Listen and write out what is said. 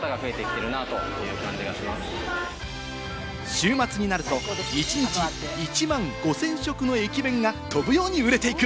週末になると１日１万５０００食の駅弁が飛ぶように売れていく！